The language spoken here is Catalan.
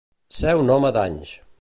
Ser un home d'anys.